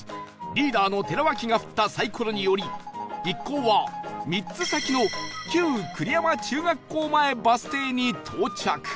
リーダーの寺脇が振ったサイコロにより一行は３つ先の旧栗山中学校前バス停に到着